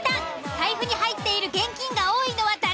財布に入っている現金が多いのは誰？